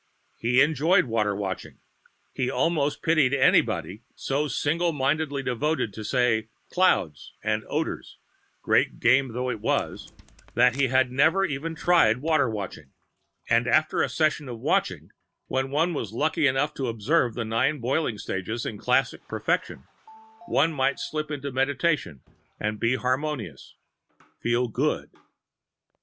He enjoyed Water Watching. He almost pitied anybody so single mindedly devoted to, say, Clouds and Odors great game though it was that he had never even tried Water Watching. And after a session of Watching, when one was lucky enough to observe the Nine Boiling Stages in classic perfection, one might slip into meditation and be harmonious, feel Good.